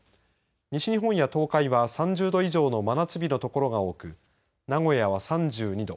西日本や東海は３０度以上の真夏日の所が多く名古屋は３２度